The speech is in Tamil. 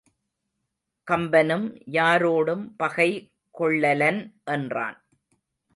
கம்பனும் யாரோடும் பகை கொள்ளலன் என்றான்.